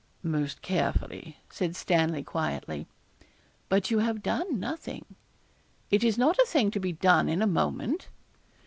'Most carefully,' said Stanley, quietly. 'But you have done nothing.' 'It is not a thing to be done in a moment.'